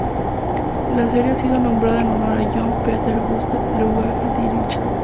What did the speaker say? La serie ha sido nombrada en honor a Johann Peter Gustav Lejeune Dirichlet.